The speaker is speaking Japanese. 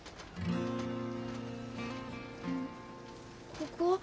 ここは？